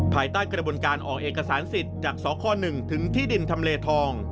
ภายใต้กระบวนการออกเอกสารสิทธิ์จากสค๑ถึงที่ดินทำเลทอง